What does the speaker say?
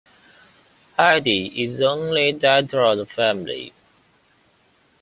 Heidi is the only daughter of the family.